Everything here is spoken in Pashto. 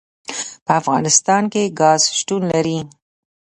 په افغانستان کې ګاز شتون لري.